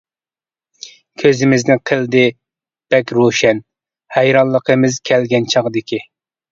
كۆزىمىزنى قىلدى بەك روشەن، ھەيرانلىقىمىز كەلگەن چاغدىكى.